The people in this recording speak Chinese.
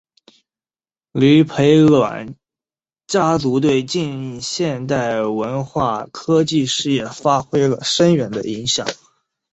黎培銮家族对近现代文化科技事业发挥了深远的影响。